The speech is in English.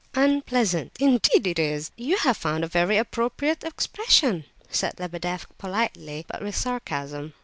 "Unpleasant! Indeed it is. You have found a very appropriate expression," said Lebedeff, politely, but with sarcasm.